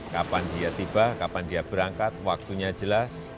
kapan dia tiba kapan dia berangkat waktunya jelas